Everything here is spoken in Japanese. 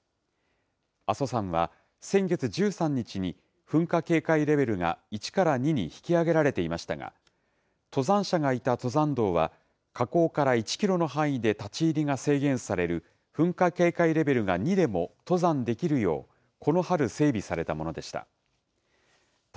阿蘇山は、先月１３日に噴火警戒レベルが１から２に引き上げられていましたが、登山者がいた登山道は、火口から１キロの範囲で立ち入りが制限される、噴火警戒レベルが２でも登山できるよう、この春整備されたものでした。